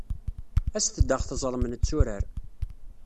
Aset-d ad aɣ-teẓrem netturar.